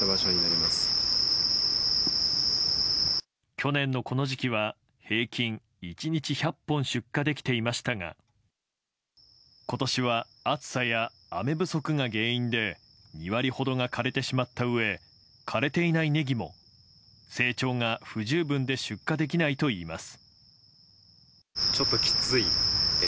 去年のこの時期は平均１日１００本出荷できていましたが今年は、暑さや雨不足が原因で２割ほどが枯れてしまったうえ枯れていないネギも成長が不十分で出荷できないといいます。